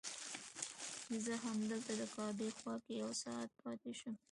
زه همدلته د کعبې خوا کې یو ساعت پاتې شوم.